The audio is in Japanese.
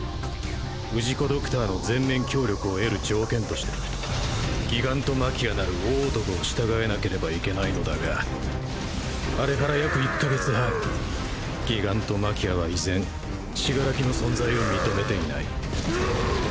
氏子ドクターの全面協力を得る条件としてギガントマキアなる大男を従えなければいけないのだがあれから約１か月半ギガントマキアは依然死柄木の存在を認めていない。